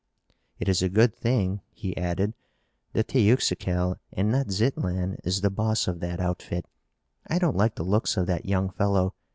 It is a good thing," he added, "that Teuxical, and not Zitlan, is the boss of that outfit. I don't like the looks of that young fellow.